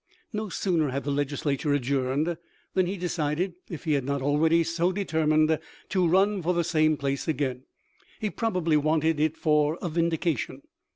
No sooner had the Legislature adjourned than he decided — if he had not already so determined — to run for the same place again. He probably wanted it for a vindication.